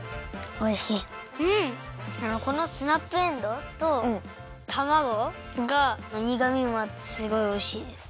あのこのスナップエンドウとたまごがにがみもあってすごいおいしいです。